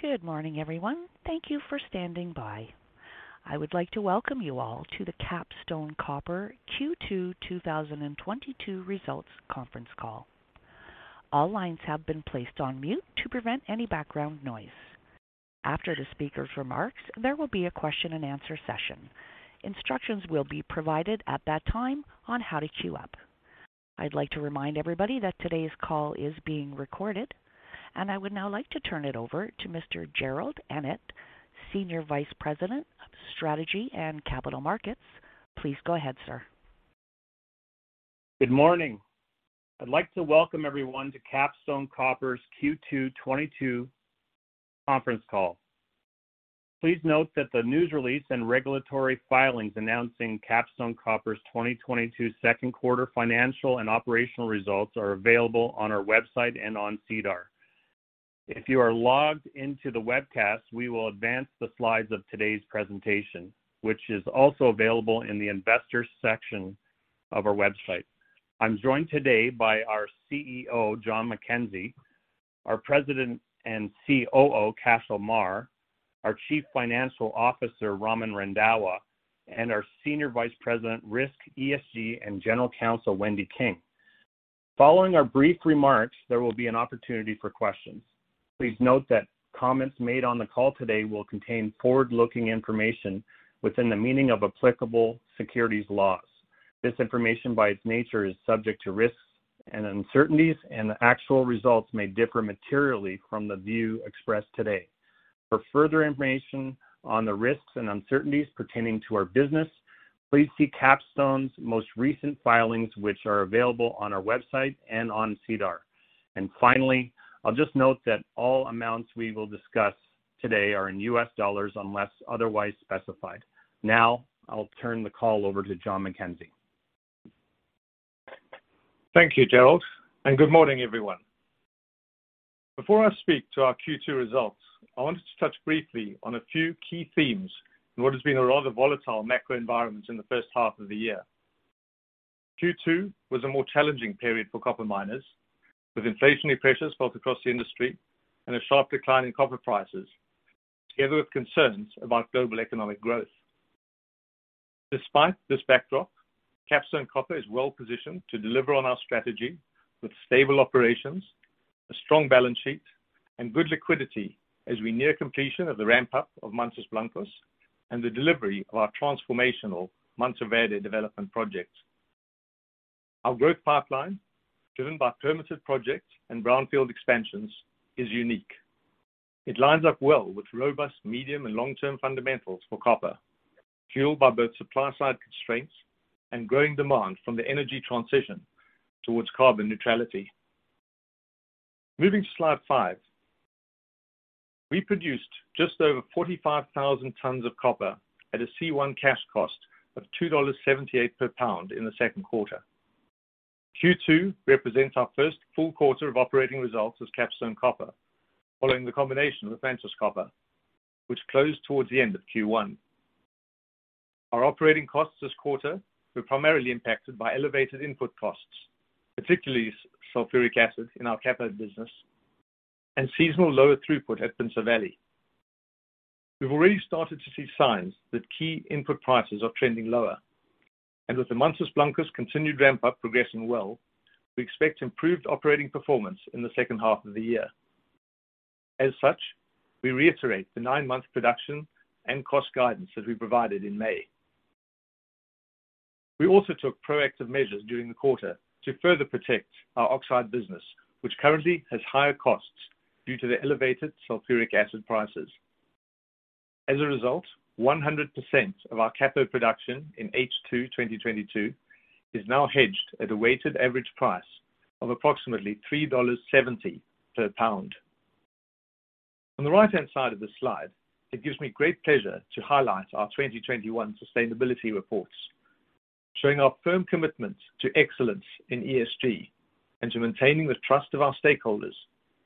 Good morning, everyone. Thank you for standing by. I would like to welcome you all to the Capstone Copper Q2 2022 Results Conference Call. All lines have been placed on mute to prevent any background noise. After the speaker's remarks, there will be a question-and-answer session. Instructions will be provided at that time on how to queue up. I'd like to remind everybody that today's call is being recorded, and I would now like to turn it over to Mr. Jerrold Annett, Senior Vice President of Strategy and Capital Markets. Please go ahead, sir. Good morning. I'd like to welcome everyone to Capstone Copper's Q2 2022 Conference Call. Please note that the news release and regulatory filings announcing Capstone Copper's 2022 second quarter financial and operational results are available on our website and on SEDAR. If you are logged into the webcast, we will advance the slides of today's presentation, which is also available in the investors section of our website. I'm joined today by our CEO, John MacKenzie, our President and COO, Cashel Meagher, our Chief Financial Officer, Raman Randhawa, and our Senior Vice President, Risk, ESG, and General Counsel, Wendy King. Following our brief remarks, there will be an opportunity for questions. Please note that comments made on the call today will contain forward-looking information within the meaning of applicable securities laws. This information, by its nature, is subject to risks and uncertainties, and the actual results may differ materially from the view expressed today. For further information on the risks and uncertainties pertaining to our business, please see Capstone's most recent filings, which are available on our website and on SEDAR. Finally, I'll just note that all amounts we will discuss today are in U.S. dollars unless otherwise specified. Now I'll turn the call over to John MacKenzie. Thank you, Jerrold, and good morning, everyone. Before I speak to our Q2 results, I wanted to touch briefly on a few key themes in what has been a rather volatile macro environment in the first half of the year. Q2 was a more challenging period for copper miners, with inflationary pressures felt across the industry and a sharp decline in copper prices, together with concerns about global economic growth. Despite this backdrop, Capstone Copper is well positioned to deliver on our strategy with stable operations, a strong balance sheet, and good liquidity as we near completion of the ramp-up of Mantos Blancos and the delivery of our transformational Mantoverde Development Project. Our growth pipeline, driven by permitted projects and brownfield expansions, is unique. It lines up well with robust medium and long-term fundamentals for copper, fueled by both supply-side constraints and growing demand from the energy transition towards carbon neutrality. Moving to slide five. We produced just over 45,000 tons of copper at a C1 cash cost of $2.78 per pound in the second quarter. Q2 represents our first full quarter of operating results as Capstone Copper following the combination with Mantos Copper, which closed towards the end of Q1. Our operating costs this quarter were primarily impacted by elevated input costs, particularly sulfuric acid in our cathode business and seasonal lower throughput at Pinto Valley. We've already started to see signs that key input prices are trending lower. With the Mantos Blancos continued ramp up progressing well, we expect improved operating performance in the second half of the year. As such, we reiterate the nine-month production and cost guidance that we provided in May. We also took proactive measures during the quarter to further protect our oxide business, which currently has higher costs due to the elevated sulfuric acid prices. As a result, 100% of our cathode production in H2 2022 is now hedged at a weighted average price of approximately $3.70 per pound. On the right-hand side of this slide, it gives me great pleasure to highlight our 2021 sustainability reports, showing our firm commitment to excellence in ESG and to maintaining the trust of our stakeholders,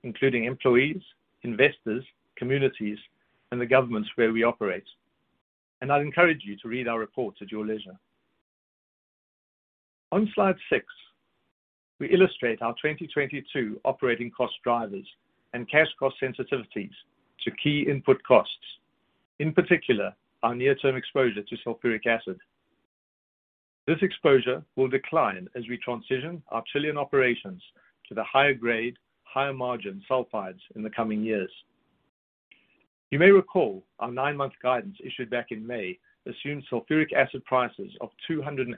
including employees, investors, communities, and the governments where we operate. I'd encourage you to read our report at your leisure. On slide six, we illustrate our 2022 operating cost drivers and cash cost sensitivities to key input costs, in particular, our near-term exposure to sulfuric acid. This exposure will decline as we transition our Chilean operations to the higher grade, higher margin sulfides in the coming years. You may recall our nine-month guidance issued back in May assumed sulfuric acid prices of $280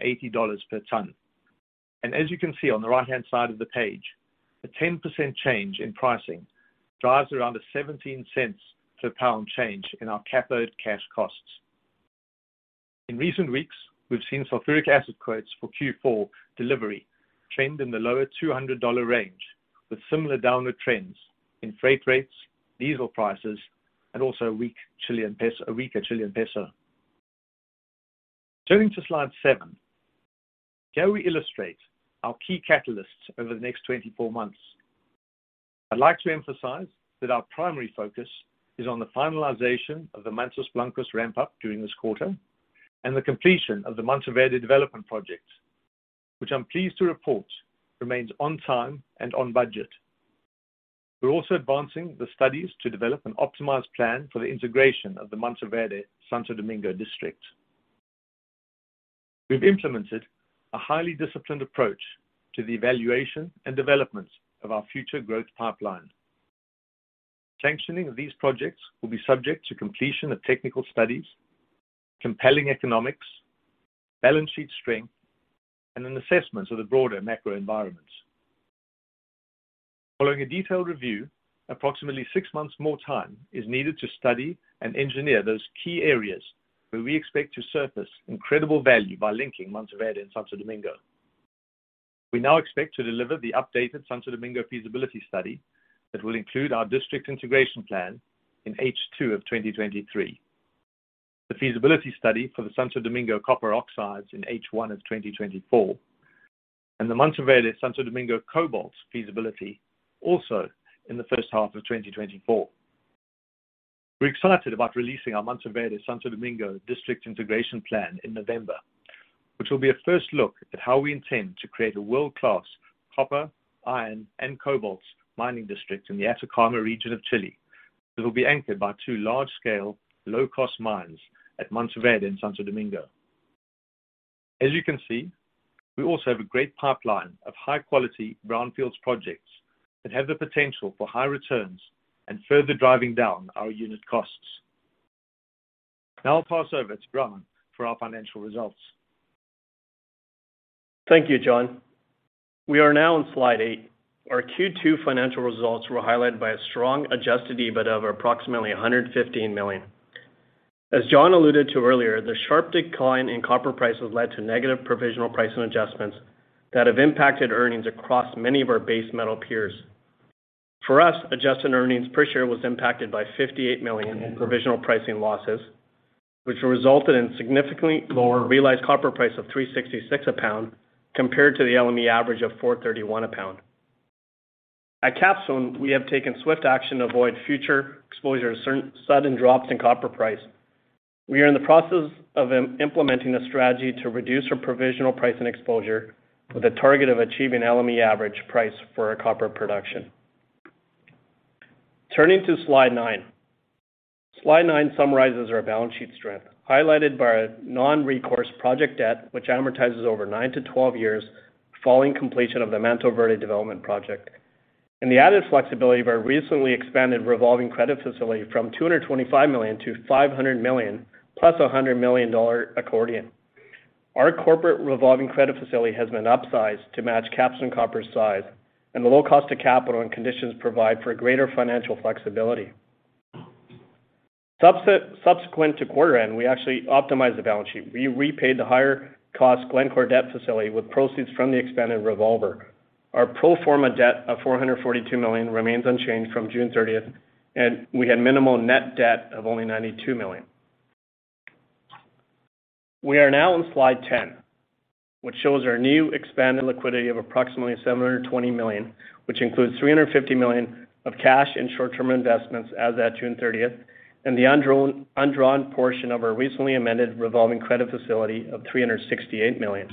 per ton. As you can see on the right-hand side of the page, a 10% change in pricing drives around a $0.17 per pound change in our cathode cash costs. In recent weeks, we've seen sulfuric acid quotes for Q4 delivery trend in the lower $200 range, with similar downward trends in freight rates, diesel prices, and also a weak Chilean peso, a weaker Chilean peso. Turning to slide seven. Here we illustrate our key catalysts over the next 24 months. I'd like to emphasize that our primary focus is on the finalization of the Mantos Blancos ramp up during this quarter and the completion of the Mantoverde Development Project, which I'm pleased to report remains on time and on budget. We're also advancing the studies to develop an optimized plan for the integration of the Mantoverde-Santo Domingo District. We've implemented a highly disciplined approach to the evaluation and development of our future growth pipeline. Sanctioning of these projects will be subject to completion of technical studies, compelling economics, balance sheet strength, and an assessment of the broader macro environments. Following a detailed review, approximately six months more time is needed to study and engineer those key areas where we expect to surface incredible value by linking Mantoverde and Santo Domingo. We now expect to deliver the updated Santo Domingo feasibility study that will include our district integration plan in H2 of 2023. The feasibility study for the Santo Domingo copper oxides in H1 of 2024, and the Mantoverde-Santo Domingo cobalt feasibility also in the first half of 2024. We're excited about releasing our Mantoverde-Santo Domingo district integration plan in November, which will be a first look at how we intend to create a world-class copper, iron, and cobalt mining district in the Atacama region of Chile. It will be anchored by two large-scale, low-cost mines at Mantoverde and Santo Domingo. As you can see, we also have a great pipeline of high-quality brownfields projects that have the potential for high returns and further driving down our unit costs. Now I'll pass over to Raman for our financial results. Thank you, John. We are now on slide eight. Our Q2 financial results were highlighted by a strong adjusted EBIT of approximately $115 million. As John alluded to earlier, the sharp decline in copper prices led to negative provisional pricing adjustments that have impacted earnings across many of our base metal peers. For us, adjusted earnings per share was impacted by $58 million in provisional pricing losses, which resulted in significantly lower realized copper price of $3.66 a pound compared to the LME average of $4.31 a pound. At Capstone, we have taken swift action to avoid future exposure to sudden drops in copper price. We are in the process of implementing a strategy to reduce our provisional pricing exposure with a target of achieving LME average price for our copper production. Turning to slide nine. Slide nine summarizes our balance sheet strength, highlighted by our non-recourse project debt, which amortizes over nine-12 years following completion of the Mantoverde Development Project. The added flexibility of our recently expanded revolving credit facility from $225 million to $500 million + $100 million accordion. Our corporate revolving credit facility has been upsized to match Capstone Copper's size, and the low cost of capital and conditions provide for greater financial flexibility. Subsequent to quarter end, we actually optimized the balance sheet. We repaid the higher cost Glencore debt facility with proceeds from the expanded revolver. Our pro forma debt of $442 million remains unchanged from June 30th, and we had minimal net debt of only $92 million. We are now on slide 10, which shows our new expanded liquidity of approximately $720 million, which includes $350 million of cash and short-term investments as at June 30th, and the undrawn portion of our recently amended revolving credit facility of $368 million.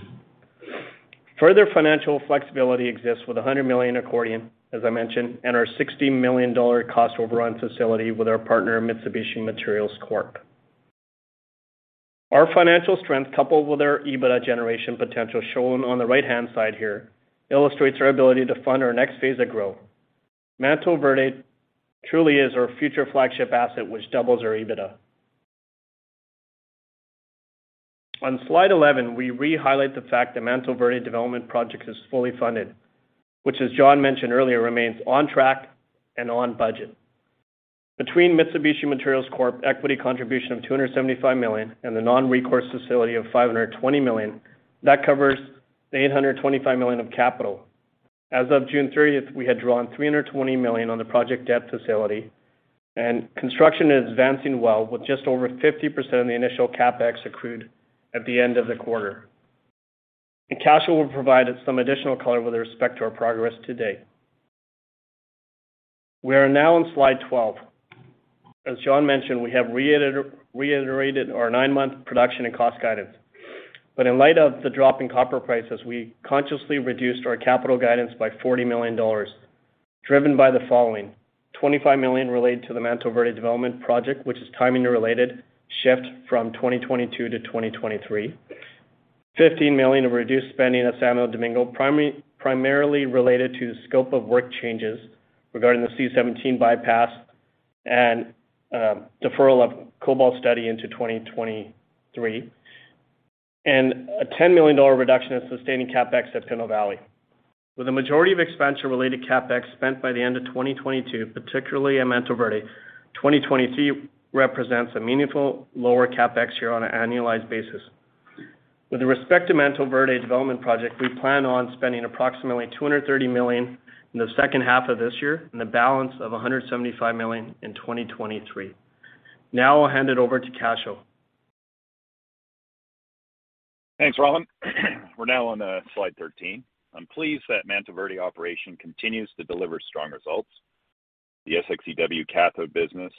Further financial flexibility exists with a $100 million accordion, as I mentioned, and our $60 million cost overrun facility with our partner, Mitsubishi Materials Corp. Our financial strength, coupled with our EBITDA generation potential shown on the right-hand side here, illustrates our ability to fund our next phase of growth. Mantoverde truly is our future flagship asset, which doubles our EBITDA. On slide 11, we re-highlight the fact that Mantoverde Development Project is fully funded, which as John mentioned earlier, remains on track and on budget. Between Mitsubishi Materials Corp equity contribution of $275 million and the non-recourse facility of $520 million, that covers the $825 million of capital. As of June 30th, we had drawn $320 million on the project debt facility, and construction is advancing well with just over 50% of the initial CapEx accrued at the end of the quarter. Cashel will provide some additional color with respect to our progress to date. We are now on slide 12. As John mentioned, we have reiterated our nine-month production and cost guidance. In light of the drop in copper prices, we consciously reduced our capital guidance by $40 million, driven by the following. $25 million related to the Mantoverde Development Project, which is timing related shift from 2022 to 2023. $15 million of reduced spending at Santo Domingo, primarily related to scope of work changes regarding the C-17 bypass and deferral of cobalt study into 2023. A $10 million reduction in sustaining CapEx at Pinto Valley. With the majority of expansion-related CapEx spent by the end of 2022, particularly at Mantoverde, 2023 represents a meaningful lower CapEx year on an annualized basis. With respect to Mantoverde Development Project, we plan on spending approximately $230 million in the second half of this year and the balance of $175 million in 2023. Now I'll hand it over to Cashel. Thanks, Raman. We're now on slide 13. I'm pleased that Mantoverde operation continues to deliver strong results. The SX-EW cathode business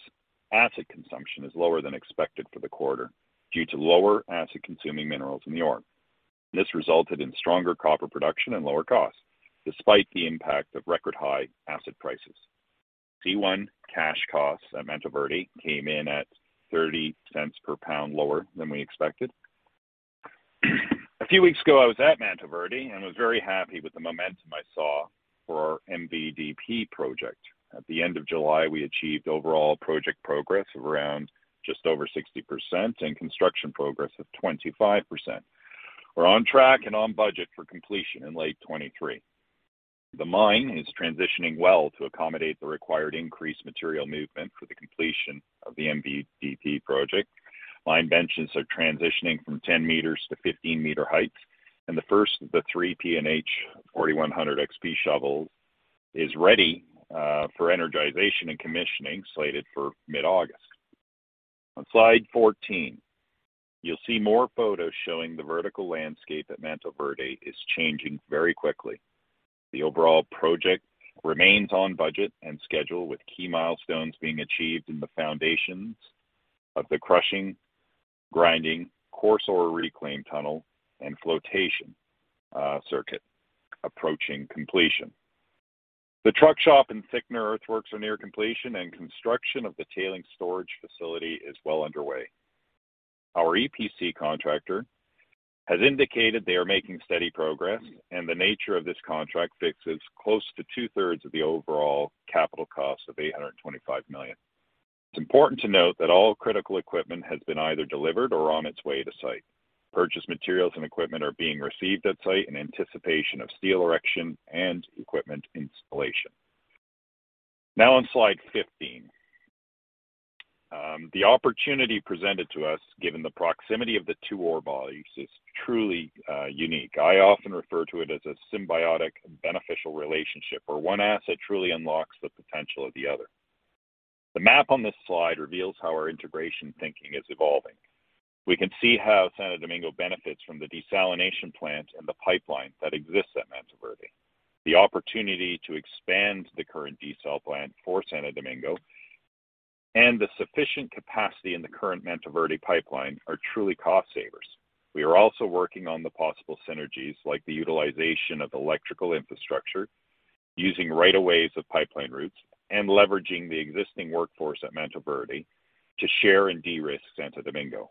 acid consumption is lower than expected for the quarter due to lower acid consuming minerals in the ore. This resulted in stronger copper production and lower costs despite the impact of record high acid prices. C1 cash costs at Mantoverde came in at $0.30 per pound lower than we expected. A few weeks ago, I was at Mantoverde, and was very happy with the momentum I saw for our MVDP project. At the end of July, we achieved overall project progress of around just over 60% and construction progress of 25%. We're on track and on budget for completion in late 2023. The mine is transitioning well to accommodate the required increased material movement for the completion of the MVDP project. Mine benches are transitioning from 10 meters to 15-meter heights, and the first of the 3 P&H 4100XP shovels is ready for energization and commissioning slated for mid-August. On slide 14, you'll see more photos showing the vertical landscape at Mantoverde is changing very quickly. The overall project remains on budget and schedule, with key milestones being achieved in the foundations of the crushing, grinding, coarse ore reclaim tunnel, and flotation circuit approaching completion. The truck shop and thickener earthworks are near completion and construction of the tailings storage facility is well underway. Our EPC contractor has indicated they are making steady progress, and the nature of this contract fixes close to two-thirds of the overall capital cost of $825 million. It's important to note that all critical equipment has been either delivered or on its way to site. Purchased materials and equipment are being received at site in anticipation of steel erection and equipment installation. Now on slide 15. The opportunity presented to us, given the proximity of the two ore bodies, is truly unique. I often refer to it as a symbiotic beneficial relationship where one asset truly unlocks the potential of the other. The map on this slide reveals how our integration thinking is evolving. We can see how Santo Domingo benefits from the desalination plant and the pipeline that exists at Mantoverde. The opportunity to expand the current desal plant for Santo Domingo and the sufficient capacity in the current Mantoverde pipeline are truly cost savers. We are also working on the possible synergies, like the utilization of electrical infrastructure using right of ways of pipeline routes and leveraging the existing workforce at Mantoverde to share and de-risk Santo Domingo.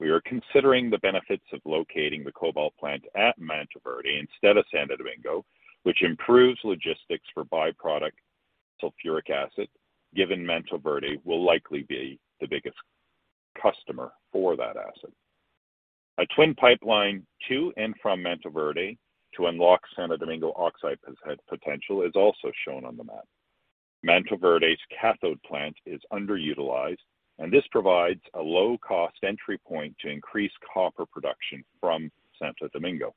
We are considering the benefits of locating the cobalt plant at Mantoverde instead of Santo Domingo, which improves logistics for byproduct sulfuric acid, given Mantoverde will likely be the biggest customer for that acid. A twin pipeline to and from Mantoverde to unlock Santo Domingo oxide potential is also shown on the map. Mantoverde's cathode plant is underutilized, and this provides a low-cost entry point to increase copper production from Santo Domingo.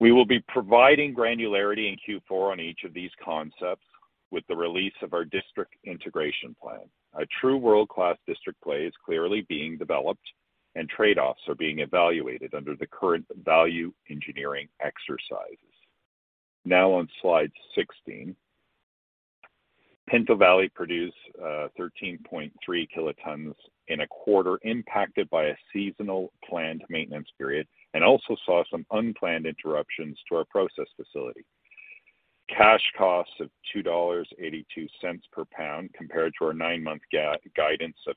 We will be providing granularity in Q4 on each of these concepts with the release of our district integration plan. A true world-class district play is clearly being developed, and trade-offs are being evaluated under the current value engineering exercises. Now on slide 16. Pinto Valley produced 13.3 kilotons in a quarter impacted by a seasonal planned maintenance period and also saw some unplanned interruptions to our process facility. Cash costs of $2.82 per pound compared to our nine-month guidance of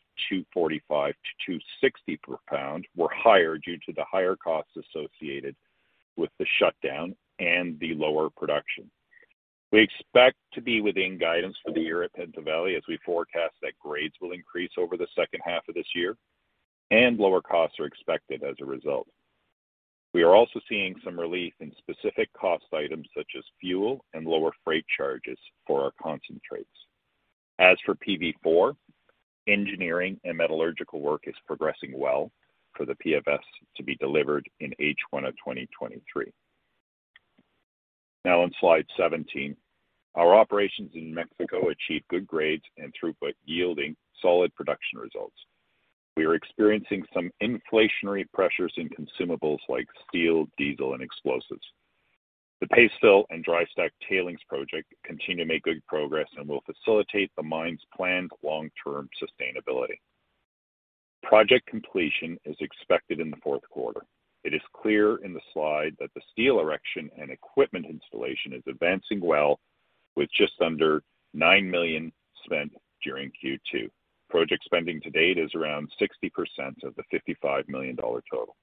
$2.45-$2.60 per pound were higher due to the higher costs associated with the shutdown and the lower production. We expect to be within guidance for the year at Pinto Valley, as we forecast that grades will increase over the second half of this year and lower costs are expected as a result. We are also seeing some relief in specific cost items such as fuel and lower freight charges for our concentrates. As for PV4, engineering and metallurgical work is progressing well for the PFS to be delivered in H1 of 2023. Now on slide 17. Our operations in Mexico achieved good grades and throughput, yielding solid production results. We are experiencing some inflationary pressures in consumables like steel, diesel, and explosives. The paste fill and dry stack tailings project continue to make good progress and will facilitate the mine's planned long-term sustainability. Project completion is expected in the fourth quarter. It is clear in the slide that the steel erection and equipment installation is advancing well with just under $9 million spent during Q2. Project spending to date is around 60% of the $55 million total.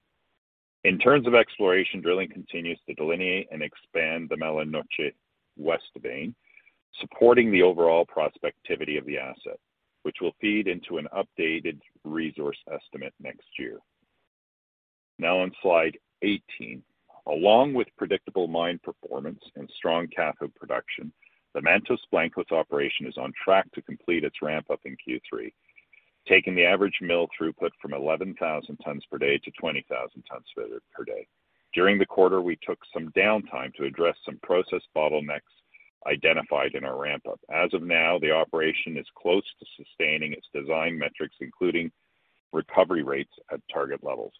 In terms of exploration, drilling continues to delineate and expand the Mala Noche West vein, supporting the overall prospectivity of the asset, which will feed into an updated resource estimate next year. Now on slide 18. Along with predictable mine performance and strong cathode production, the Mantos Blancos operation is on track to complete its ramp up in Q3, taking the average mill throughput from 11,000 tons per day to 20,000 tons per day. During the quarter, we took some downtime to address some process bottlenecks identified in our ramp up. As of now, the operation is close to sustaining its design metrics, including recovery rates at target levels.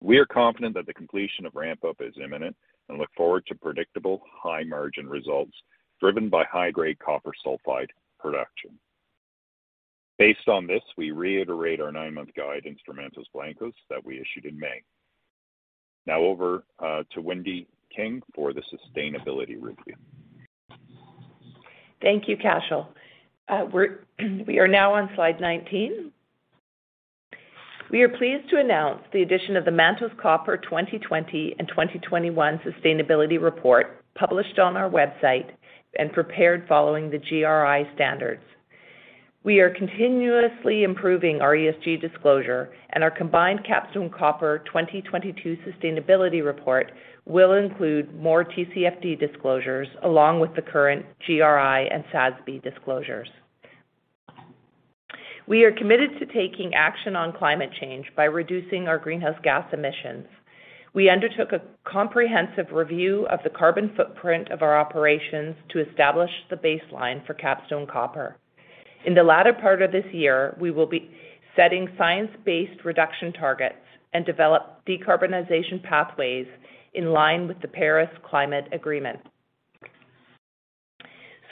We are confident that the completion of ramp-up is imminent and look forward to predictable high margin results driven by high-grade copper sulfide production. Based on this, we reiterate our nine-month guide in Mantos Blancos that we issued in May. Now over to Wendy King for the sustainability review. Thank you, Cashel. We are now on slide 19. We are pleased to announce the addition of the Mantos Copper 2020 and 2021 sustainability report, published on our website and prepared following the GRI Standards. We are continuously improving our ESG disclosure and our combined Capstone Copper 2022 sustainability report will include more TCFD disclosures along with the current GRI and SASB disclosures. We are committed to taking action on climate change by reducing our greenhouse gas emissions. We undertook a comprehensive review of the carbon footprint of our operations to establish the baseline for Capstone Copper. In the latter part of this year, we will be setting science-based reduction targets and develop decarbonization pathways in line with the Paris Climate Agreement.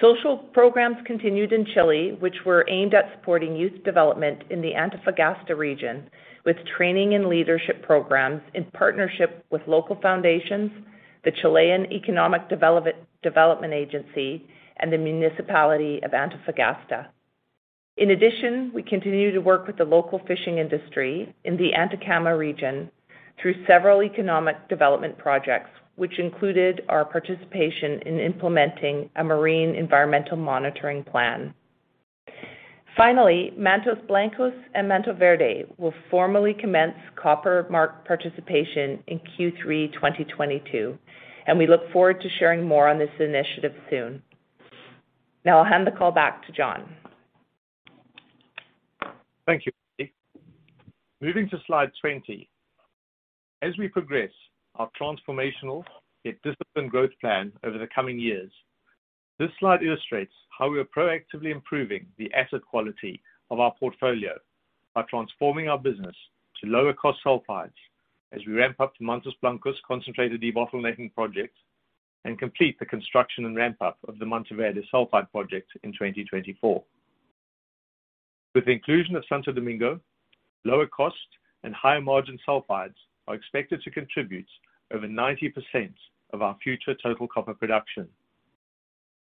Social programs continued in Chile, which were aimed at supporting youth development in the Antofagasta region, with training and leadership programs in partnership with local foundations, the Chilean Economic Development Agency, and the Municipality of Antofagasta. In addition, we continue to work with the local fishing industry in the Atacama region through several economic development projects, which included our participation in implementing a marine environmental monitoring plan. Finally, Mantos Blancos and Mantoverde will formally commence Copper Mark participation in Q3 2022, and we look forward to sharing more on this initiative soon. Now I'll hand the call back to John. Thank you. Moving to slide 20. As we progress our transformational yet disciplined growth plan over the coming years, this slide illustrates how we are proactively improving the asset quality of our portfolio by transforming our business to lower cost sulfides as we ramp up to Mantos Blancos concentration debottlenecking project and complete the construction and ramp-up of the Mantoverde sulfide project in 2024. With the inclusion of Santo Domingo, lower cost and higher margin sulfides are expected to contribute over 90% of our future total copper production.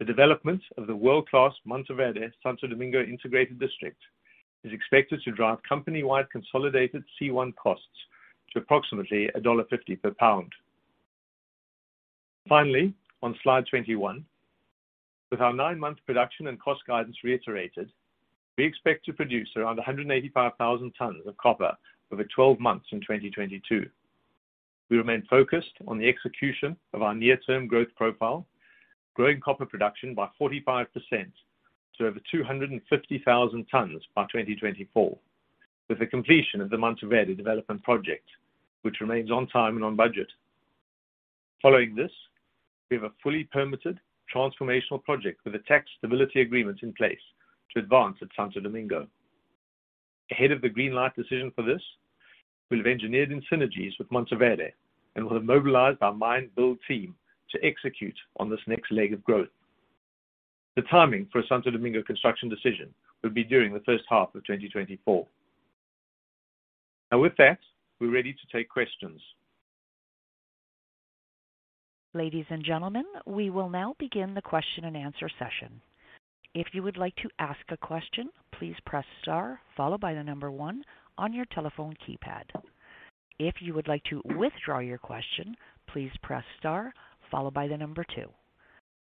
The development of the world-class Mantoverde Santo Domingo integrated district is expected to drive company-wide consolidated C1 costs to approximately $1.50 per pound. Finally, on slide 21, with our nine-month production and cost guidance reiterated, we expect to produce around 185,000 tonnes of copper over 12 months in 2022. We remain focused on the execution of our near-term growth profile, growing copper production by 45% to over 250,000 tonnes by 2024, with the completion of the Mantoverde Development project, which remains on time and on budget. Following this, we have a fully permitted transformational project with a tax stability agreement in place to advance at Santo Domingo. Ahead of the green light decision for this, we've engineered in synergies with Mantoverde and will have mobilized our mine build team to execute on this next leg of growth. The timing for a Santo Domingo construction decision will be during the first half of 2024. Now with that, we're ready to take questions. Ladies and gentlemen, we will now begin the question and answer session. If you would like to ask a question, please press star followed by the number one on your telephone keypad. If you would like to withdraw your question, please press star followed by the number two.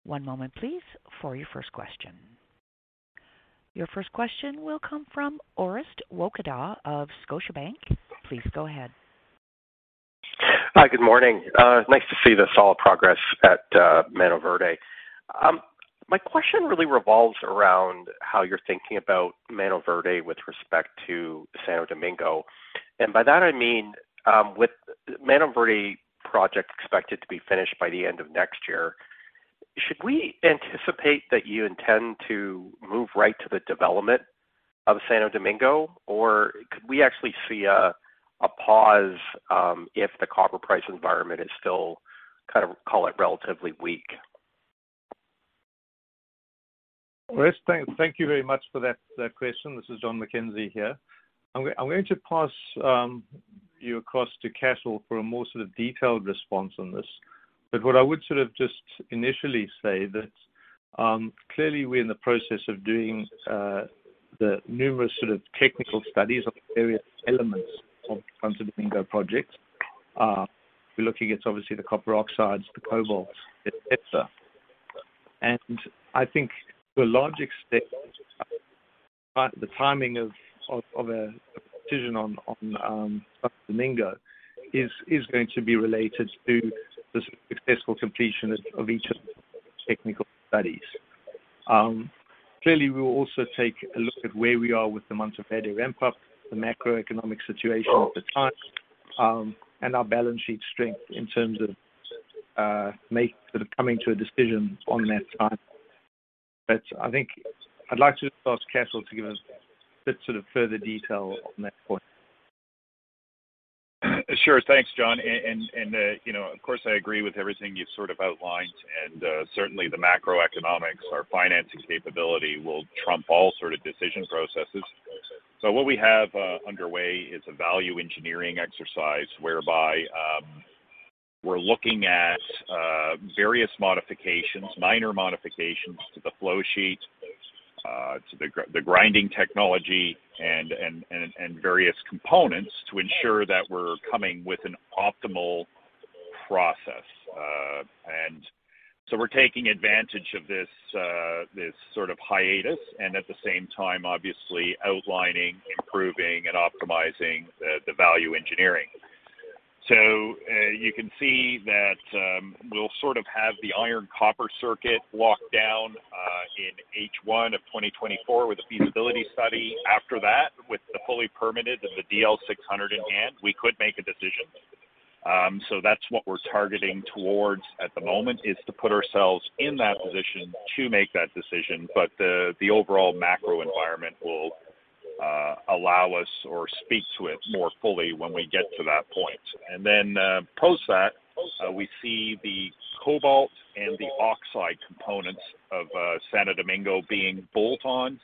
One moment please for your first question. Your first question will come from Orest Wowkodaw of Scotiabank. Please go ahead. Hi. Good morning. Nice to see the solid progress at Mantoverde. My question really revolves around how you're thinking about Mantoverde with respect to Santo Domingo. By that, I mean, with Mantoverde project expected to be finished by the end of next year, should we anticipate that you intend to move right to the development of Santo Domingo, or could we actually see a pause, if the copper price environment is still kind of, call it, relatively weak? Orest, thank you very much for that question. This is John MacKenzie here. I'm going to pass you across to Cashel for a more, sort of, detailed response on this. What I would, sort of, just initially say that, clearly we're in the process of doing the numerous sort of technical studies of the various elements of Santo Domingo project. We're looking at obviously the copper oxides, the cobalt, et cetera. I think to a large extent, the timing of a decision on Santo Domingo is going to be related to the successful completion of each of the technical studies. Clearly, we will also take a look at where we are with the Mantoverde ramp-up, the macroeconomic situation at the time, and our balance sheet strength in terms of sort of coming to a decision on that site. I think I'd like to ask Cashel to give us a bit, sort of, further detail on that point. Sure. Thanks, John. You know, of course, I agree with everything you've sort of outlined, and certainly the macroeconomics, our financing capability will trump all sort of decision processes. What we have underway is a value engineering exercise whereby we're looking at various modifications, minor modifications to the flow sheet, to the grinding technology and various components to ensure that we're coming with an optimal process. We're taking advantage of this sort of hiatus, and at the same time obviously outlining, improving and optimizing the value engineering. You can see that we'll sort of have the iron copper circuit locked down in H1 of 2024 with the feasibility study. After that, with the fully permitted and the DL 600 in hand, we could make a decision. That's what we're targeting towards at the moment, is to put ourselves in that position to make that decision. The overall macro environment will allow us to speak to it more fully when we get to that point. Post that, we see the cobalt and the oxide components of Santo Domingo being bolt-on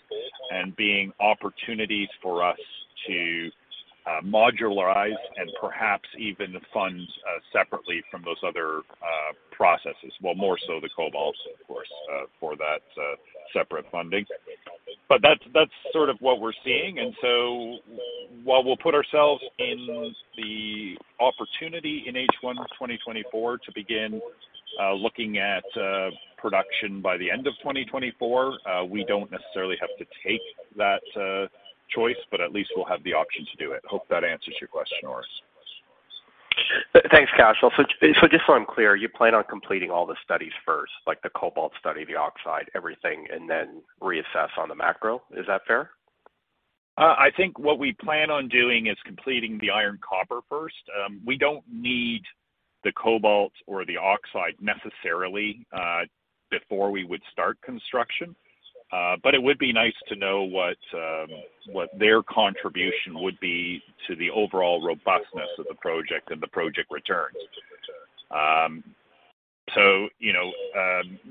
and being opportunities for us to modularize and perhaps even fund separately from those other processes. Well, more so the cobalt, of course, for that separate funding. That's sort of what we're seeing. While we'll put ourselves in the opportunity in H1 2024 to begin looking at production by the end of 2024, we don't necessarily have to take that choice, but at least we'll have the option to do it. Hope that answers your question, Orest. Thanks, Cashel. Just so I'm clear, you plan on completing all the studies first, like the cobalt study, the oxide, everything, and then reassess on the macro. Is that fair? I think what we plan on doing is completing the iron copper first. We don't need the cobalt or the oxide necessarily before we would start construction. But it would be nice to know what their contribution would be to the overall robustness of the project and the project returns. You know,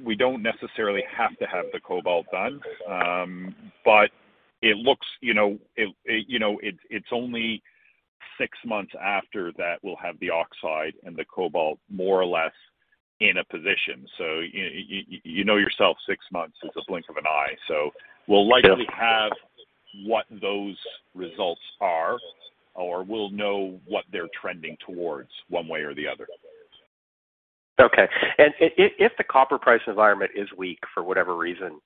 we don't necessarily have to have the cobalt done. But it looks, you know, it's only six months after that we'll have the oxide and the cobalt more or less in a position. You know yourself, six months is a blink of an eye. We'll likely- Yeah. Have what those results are, or we'll know what they're trending towards one way or the other. Okay. If the copper price environment is weak for whatever reason,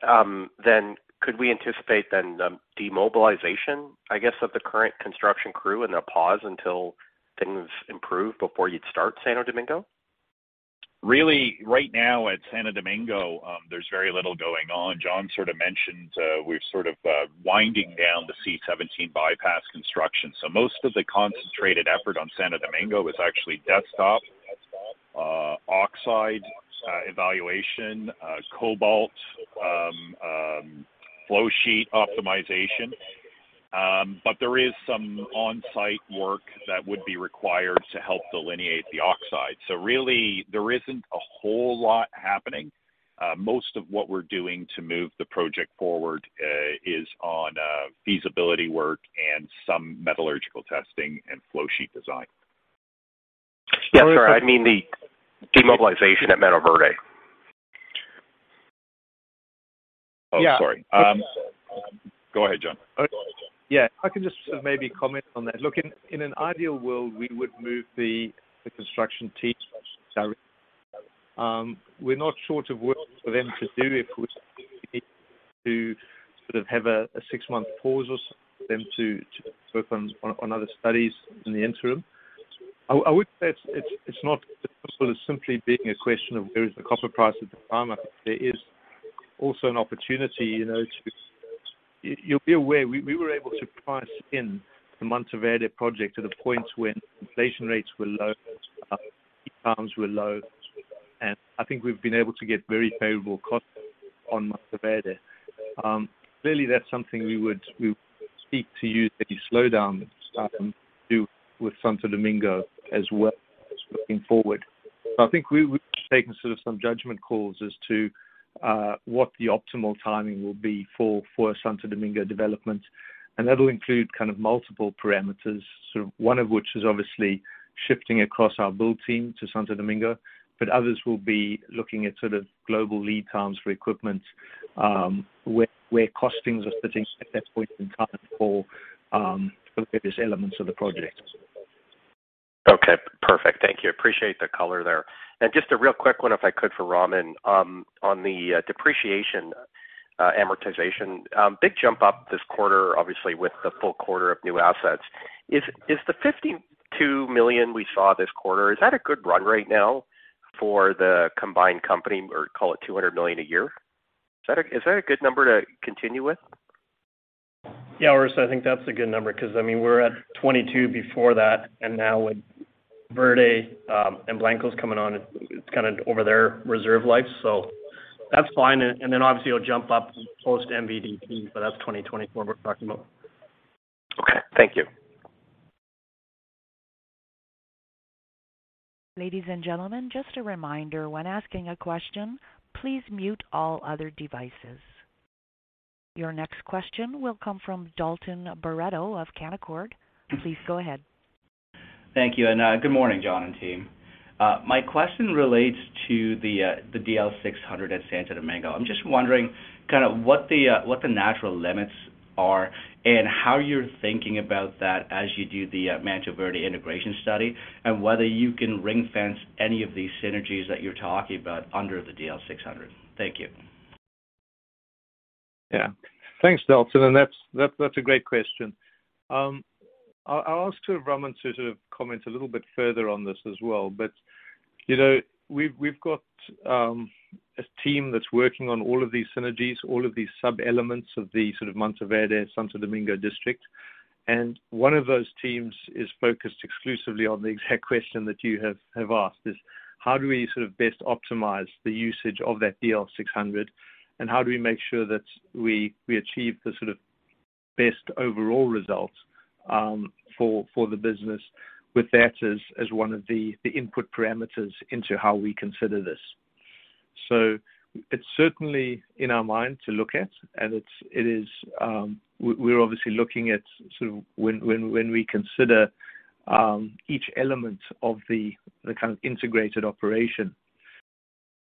then could we anticipate demobilization, I guess, of the current construction crew and a pause until things improve before you'd start Santo Domingo? Really, right now at Santo Domingo, there's very little going on. John sort of mentioned, we're sort of winding down the C-17 bypass construction. Most of the concentrated effort on Santo Domingo is actually desktop oxide evaluation cobalt flow sheet optimization. There is some on-site work that would be required to help delineate the oxide. Really there isn't a whole lot happening. Most of what we're doing to move the project forward is on feasibility work and some metallurgical testing and flow sheet design. Yeah. Sorry, I mean the demobilization at Mantoverde. Oh, sorry. Go ahead, John. Yeah, I can just maybe comment on that. Look, in an ideal world, we would move the construction team. We're not short of work for them to do if we need to sort of have a six-month pause or something for them to work on other studies in the interim. I would say it's not as simple as simply being a question of where is the copper price at the moment. There is also an opportunity, you know. You'll be aware we were able to price in the Mantoverde project to the point where inflation rates were low, lead times were low. I think we've been able to get very favorable costs on Mantoverde. Clearly that's something we would speak to you if any slowdowns start to do with Santo Domingo as well as looking forward. I think we've taken sort of some judgment calls as to what the optimal timing will be for a Santo Domingo Development, and that'll include kind of multiple parameters, sort of one of which is obviously shifting across our build team to Santo Domingo, but others will be looking at sort of global lead times for equipment, where costings are sitting at that point in time for various elements of the project. Okay, perfect. Thank you. Appreciate the color there. Just a real quick one if I could for Raman. On the depreciation, amortization, big jump up this quarter, obviously with the full quarter of new assets. Is the $52 million we saw this quarter a good run rate now for the combined company or call it $200 million a year? Is that a good number to continue with? Yeah, Orest, I think that's a good number because, I mean, we're at 22 before that, and now with Mantoverde and Mantos Blancos coming on, it's kinda over their reserve life, so that's fine. And then obviously it'll jump up post-MVDP, but that's 2024 we're talking about. Okay. Thank you. Ladies and gentlemen, just a reminder, when asking a question, please mute all other devices. Your next question will come from Dalton Baretto of Canaccord. Please go ahead. Thank you. Good morning, John and team. My question relates to the DL 600 at Santo Domingo. I'm just wondering kinda what the natural limits are and how you're thinking about that as you do the Mantoverde integration study and whether you can ring-fence any of these synergies that you're talking about under the DL 600. Thank you. Yeah. Thanks, Dalton, and that's a great question. I'll ask Raman to sort of comment a little bit further on this as well. You know, we've got a team that's working on all of these synergies, all of these sub-elements of the sort of Mantoverde-Santo Domingo district. One of those teams is focused exclusively on the exact question that you have asked, is how do we sort of best optimize the usage of that DL 600, and how do we make sure that we achieve the sort of best overall results for the business with that as one of the input parameters into how we consider this. So it's certainly in our mind to look at. It is. We're obviously looking at sort of when we consider each element of the kind of integrated operation,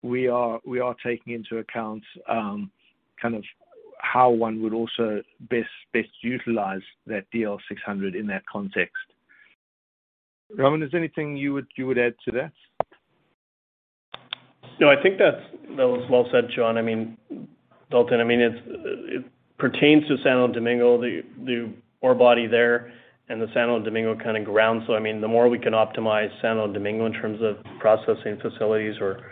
we are taking into account kind of how one would also best utilize that DL 600 in that context. Raman, is there anything you would add to that? No, I think that was well said, John. I mean, Dalton, I mean, it pertains to Santo Domingo, the ore body there and the Santo Domingo kinda ground. I mean, the more we can optimize Santo Domingo in terms of processing facilities or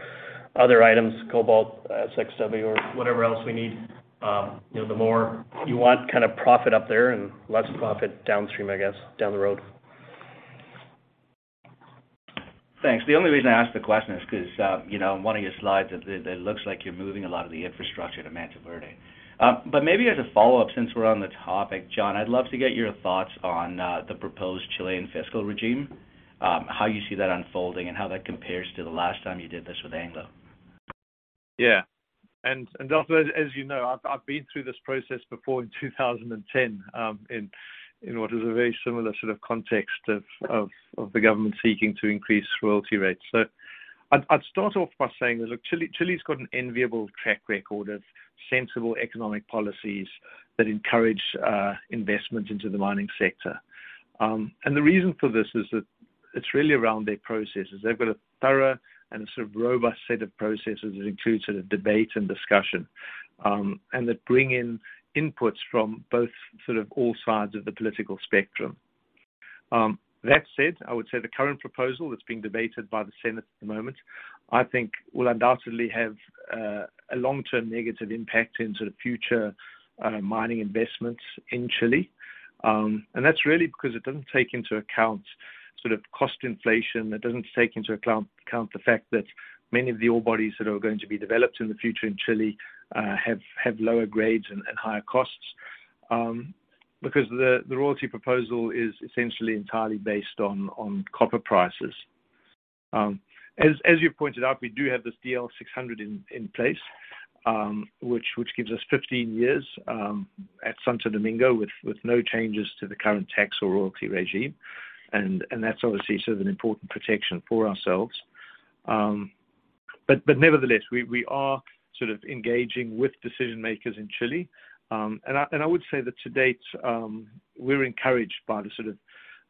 other items, cobalt, SX-EW or whatever else we need, you know, the more you want kinda profit up there and less profit downstream, I guess, down the road. Thanks. The only reason I ask the question is 'cause, you know, in one of your slides, it looks like you're moving a lot of the infrastructure to Mantoverde. Maybe as a follow-up, since we're on the topic, John, I'd love to get your thoughts on the proposed Chilean fiscal regime, how you see that unfolding and how that compares to the last time you did this with Anglo. Yeah. Also, as you know, I've been through this process before in 2010, in what is a very similar sort of context of the government seeking to increase royalty rates. I'd start off by saying this. Look, Chile's got an enviable track record of sensible economic policies that encourage investment into the mining sector. The reason for this is that it's really around their processes. They've got a thorough and sort of robust set of processes that include sort of debate and discussion, and that bring in inputs from both sort of all sides of the political spectrum. That said, I would say the current proposal that's being debated by the Senate at the moment, I think will undoubtedly have a long-term negative impact in sort of future mining investments in Chile. That's really because it doesn't take into account sort of cost inflation. It doesn't take into account the fact that many of the ore bodies that are going to be developed in the future in Chile have lower grades and higher costs, because the royalty proposal is essentially entirely based on copper prices. As you pointed out, we do have this DL 600 in place, which gives us 15 years at Santo Domingo with no changes to the current tax or royalty regime. That's obviously sort of an important protection for ourselves. Nevertheless, we are sort of engaging with decision-makers in Chile. I would say that to date, we're encouraged by the sort of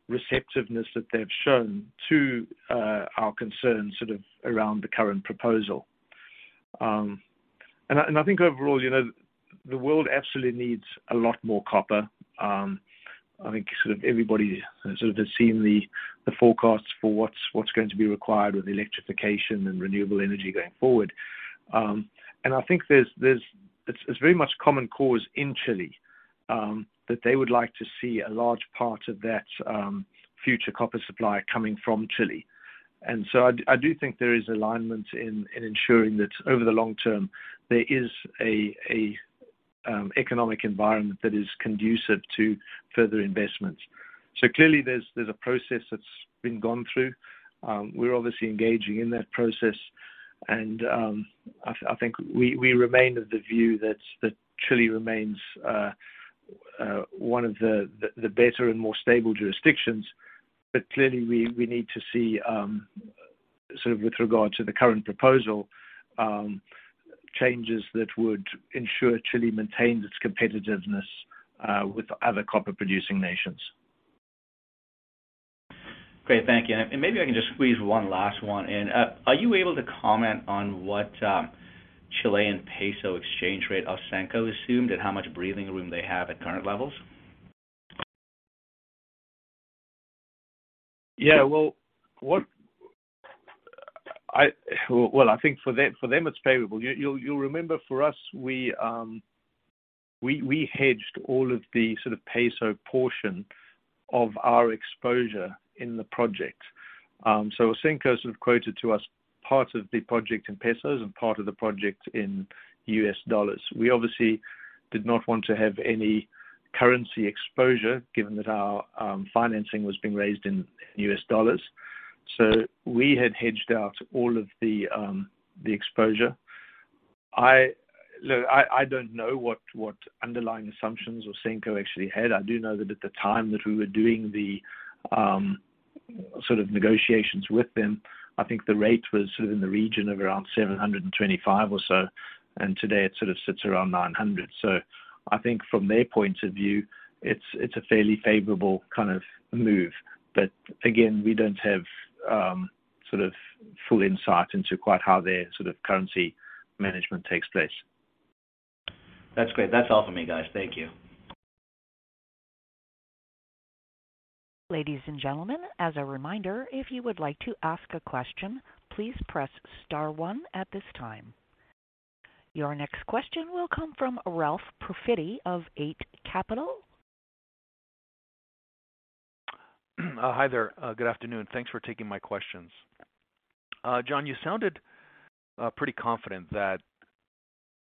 receptiveness that they've shown to our concerns sort of around the current proposal. I think overall, you know, the world absolutely needs a lot more copper. I think sort of everybody sort of has seen the forecast for what's going to be required with electrification and renewable energy going forward. I think it's very much common cause in Chile that they would like to see a large part of that future copper supply coming from Chile. I do think there is alignment in ensuring that over the long term, there is a economic environment that is conducive to further investments. Clearly there's a process that's been gone through. We're obviously engaging in that process. I think we remain of the view that Chile remains one of the better and more stable jurisdictions. Clearly we need to see sort of with regard to the current proposal changes that would ensure Chile maintains its competitiveness with other copper-producing nations. Great. Thank you. Maybe I can just squeeze one last one in. Are you able to comment on what Chilean peso exchange rate Ausenco assumed and how much breathing room they have at current levels? I think for them it's favorable. You'll remember for us, we hedged all of the sort of peso portion of our exposure in the project. Ausenco sort of quoted to us part of the project in pesos and part of the project in U.S. dollars. We obviously did not want to have any currency exposure given that our financing was being raised in U.S. dollars. We had hedged out all of the exposure. Look, I don't know what underlying assumptions Ausenco actually had. I do know that at the time that we were doing the sort of negotiations with them, I think the rate was in the region of around 725 or so, and today it sort of sits around 900. I think from their point of view, it's a fairly favorable kind of move. Again, we don't have sort of full insight into quite how their sort of currency management takes place. That's great. That's all for me, guys. Thank you. Ladies and gentlemen, as a reminder, if you would like to ask a question, please press star one at this time. Your next question will come from Ralph Profiti of Eight Capital. Hi there. Good afternoon. Thanks for taking my questions. John, you sounded pretty confident that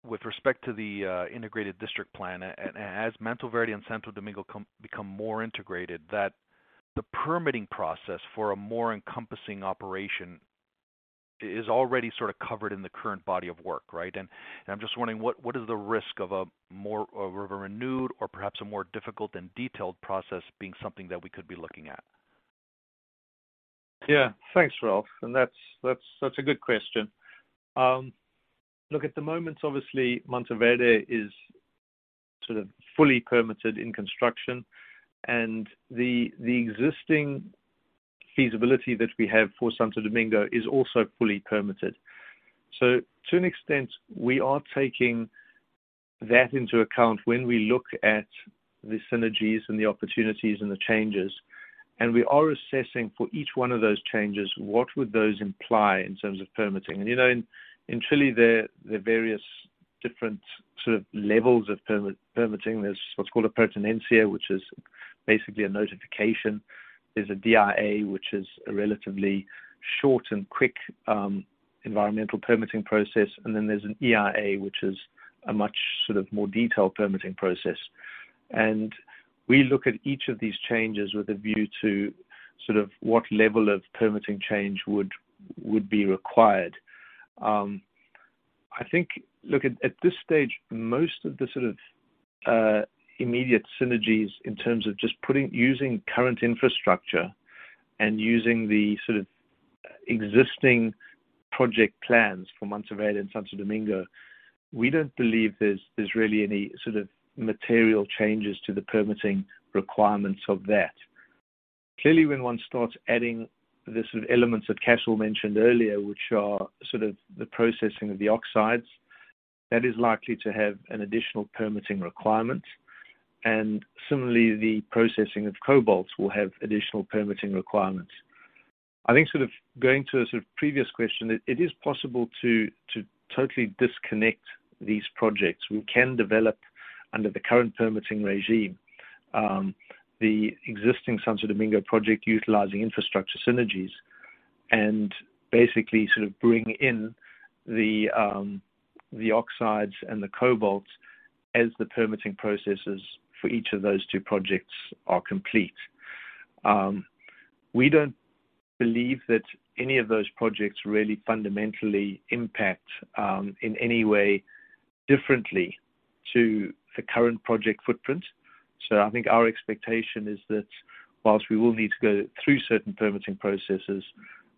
with respect to the integrated district plan, and as Mantoverde and Santo Domingo become more integrated, that the permitting process for a more encompassing operation is already sort of covered in the current body of work, right? I'm just wondering, what is the risk of a more of a renewed or perhaps a more difficult and detailed process being something that we could be looking at? Yeah. Thanks, Ralph, and that's a good question. Look, at the moment, obviously, Mantoverde is sort of fully permitted in construction, and the existing feasibility that we have for Santo Domingo is also fully permitted. To an extent, we are taking that into account when we look at the synergies and the opportunities and the changes, and we are assessing for each one of those changes, what would those imply in terms of permitting. You know, in Chile, there are various different sort of levels of permitting. There's what's called a pertinencia, which is basically a notification. There's a DIA, which is a relatively short and quick environmental permitting process. And then there's an EIA, which is a much sort of more detailed permitting process. We look at each of these changes with a view to sort of what level of permitting change would be required. I think at this stage, most of the sort of immediate synergies in terms of just using current infrastructure and using the sort of existing project plans for Mantoverde and Santo Domingo, we don't believe there's really any sort of material changes to the permitting requirements of that. Clearly, when one starts adding the sort of elements that Cashel mentioned earlier, which are sort of the processing of the oxides, that is likely to have an additional permitting requirement. Similarly, the processing of cobalts will have additional permitting requirements. I think sort of going to a sort of previous question, it is possible to totally disconnect these projects. We can develop under the current permitting regime, the existing Santo Domingo project utilizing infrastructure synergies and basically sort of bring in the oxides and the cobalts as the permitting processes for each of those two projects are complete. We don't believe that any of those projects really fundamentally impact in any way differently to the current project footprint. I think our expectation is that whilst we will need to go through certain permitting processes,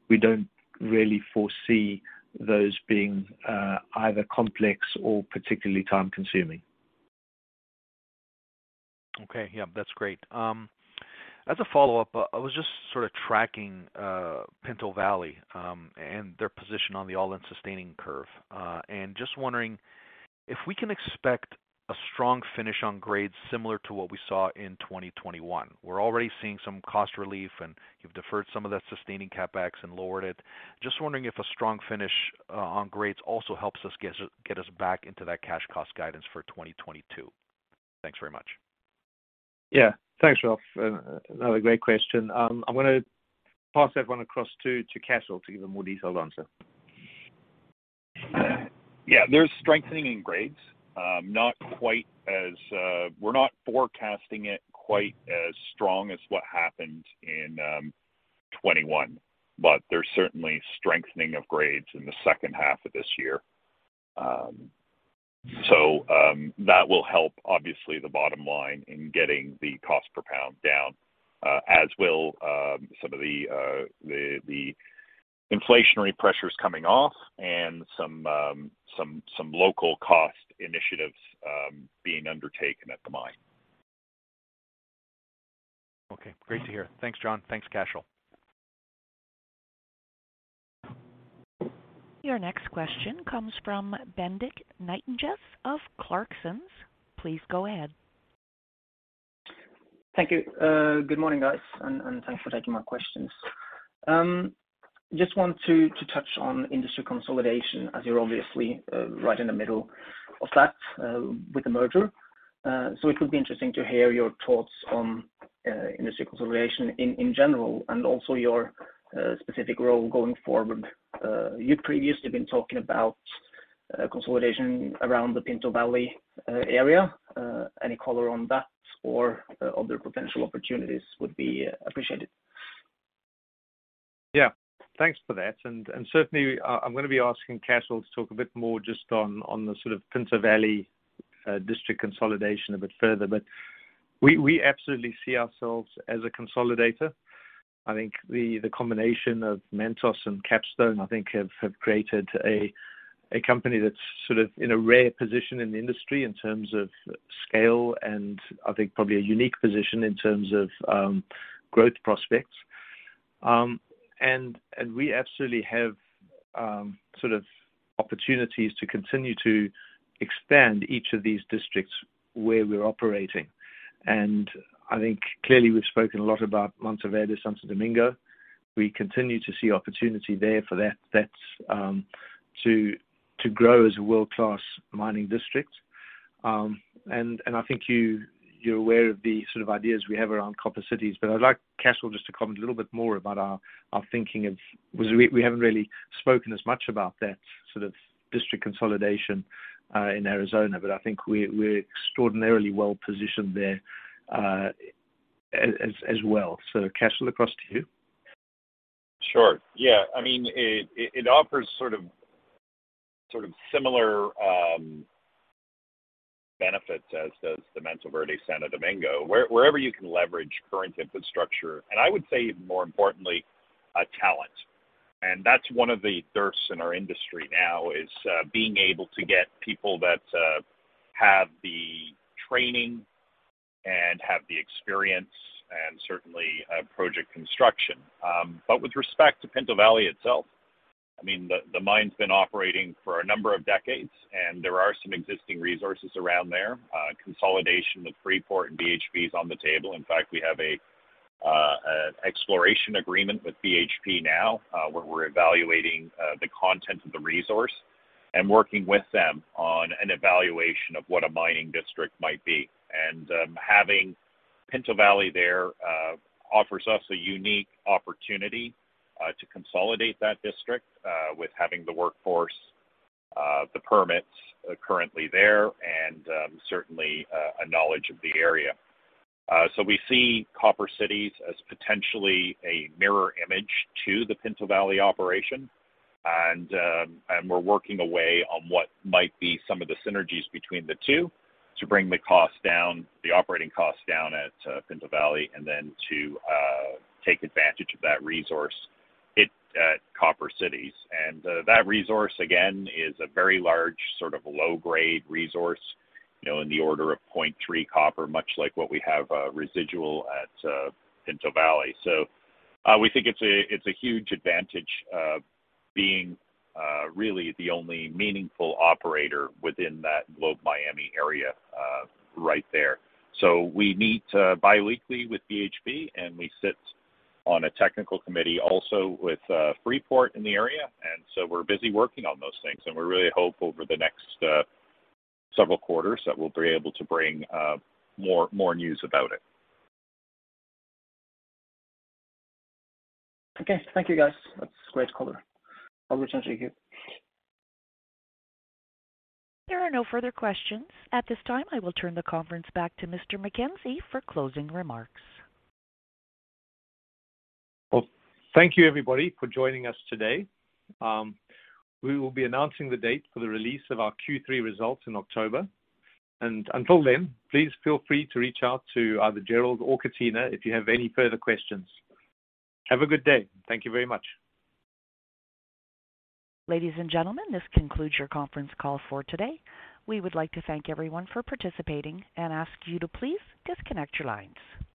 we don't really foresee those being either complex or particularly time-consuming. Okay. Yeah, that's great. As a follow-up, I was just sort of tracking Pinto Valley and their position on the all-in sustaining curve. Just wondering if we can expect a strong finish on grades similar to what we saw in 2021. We're already seeing some cost relief, and you've deferred some of that sustaining CapEx and lowered it. Just wondering if a strong finish on grades also helps us get back into that cash cost guidance for 2022. Thanks very much. Yeah. Thanks, Ralph. Another great question. I'm gonna pass everyone across to Cashel to give a more detailed answer. Yeah. There's strengthening in grades. We're not forecasting it quite as strong as what happened in 2021, but there's certainly strengthening of grades in the second half of this year. That will help obviously the bottom line in getting the cost per pound down, as will some of the inflationary pressures coming off and some local cost initiatives being undertaken at the mine. Okay. Great to hear. Thanks, John. Thanks, Cashel. Your next question comes from Bendik Nyttingnes of Clarksons. Please go ahead. Thank you. Good morning, guys, and thanks for taking my questions. Just want to touch on industry consolidation as you're obviously right in the middle of that with the merger. It would be interesting to hear your thoughts on industry consolidation in general and also your specific role going forward. You've previously been talking about consolidation around the Pinto Valley area. Any color on that or other potential opportunities would be appreciated. Yeah. Thanks for that. Certainly, I'm gonna be asking Cashel to talk a bit more just on the sort of Pinto Valley district consolidation a bit further. We absolutely see ourselves as a consolidator. I think the combination of Mantos and Capstone have created a company that's sort of in a rare position in the industry in terms of scale and I think probably a unique position in terms of growth prospects. We absolutely have sort of opportunities to continue to expand each of these districts where we're operating. I think clearly we've spoken a lot about Mantoverde-Santo Domingo. We continue to see opportunity there for that. That's to grow as a world-class mining district. I think you're aware of the sort of ideas we have around copper cities. But I'd like Cashel just to comment a little bit more about our thinking of. We haven't really spoken as much about that sort of district consolidation in Arizona, but I think we're extraordinarily well positioned there, as well. Cashel, across to you. Sure. Yeah. I mean, it offers sort of similar benefits as does the Mantoverde-Santo Domingo. Wherever you can leverage current infrastructure, and I would say more importantly, talent. That's one of the thrusts in our industry now is being able to get people that have the training and have the experience and certainly project construction. With respect to Pinto Valley itself, I mean, the mine's been operating for a number of decades, and there are some existing resources around there. Consolidation with Freeport and BHP is on the table. In fact, we have an exploration agreement with BHP now, where we're evaluating the content of the resource and working with them on an evaluation of what a mining district might be. Having Pinto Valley there offers us a unique opportunity to consolidate that district with having the workforce, the permits currently there and certainly a knowledge of the area. We see Copper Cities as potentially a mirror image to the Pinto Valley operation. We're working away on what might be some of the synergies between the two to bring the cost down, the operating cost down at Pinto Valley and then to take advantage of that resource at Copper Cities. That resource, again, is a very large, sort of low-grade resource, you know, in the order of 0.3 copper, much like what we have residual at Pinto Valley. We think it's a huge advantage, being really the only meaningful operator within that Globe-Miami area, right there. We meet biweekly with BHP, and we sit on a technical committee also with Freeport in the area, and we're busy working on those things. We really hope over the next several quarters that we'll be able to bring more news about it. Okay. Thank you, guys. That's great color. I'll return to you. There are no further questions. At this time, I will turn the conference back to Mr. MacKenzie for closing remarks. Well, thank you, everybody, for joining us today. We will be announcing the date for the release of our Q3 results in October. Until then, please feel free to reach out to either Jerrold or Katina if you have any further questions. Have a good day. Thank you very much. Ladies and gentlemen, this concludes your conference call for today. We would like to thank everyone for participating and ask you to please disconnect your lines.